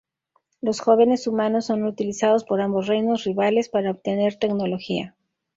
Los jóvenes humanos son utilizados por ambos reinos rivales para obtener tecnología.